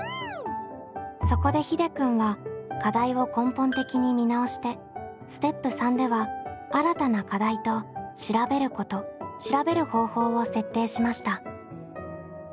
そこでひでくんは課題を根本的に見直してステップ３では新たな課題と調べること調べる方法を設定しました。